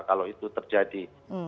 kalau itu terjadi